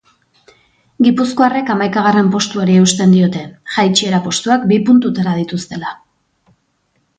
Gipuzkoarrek hamaikagarren postuari eusten diote, jaitsiera postuak bi puntutara dituztela.